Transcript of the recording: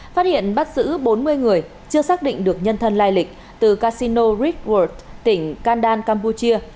phát hiện bắt giữ bốn mươi người chưa xác định được nhân thân lai lịch từ casino rit của tỉnh kandan campuchia